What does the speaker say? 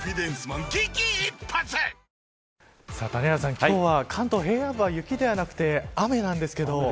谷原さん、今日は関東平野部は雪ではなくて雨なんですけど。